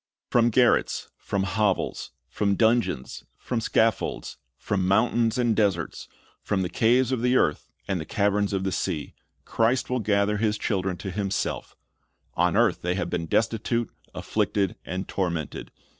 "" From garrets, from hovels, from dungeons, from scaffolds, from mountains and deserts, from the caves of the earth and the caverns of the sea, Christ will gather His children to Himself On earth they have been destitute, affiicted, and tormented.